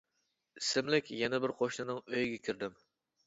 ئىسىملىك يەنە بىر قوشنىنىڭ ئۆيىگە كىردىم.